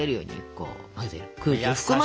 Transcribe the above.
こう？